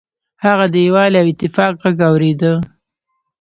هغه د یووالي او اتفاق غږ اوریده.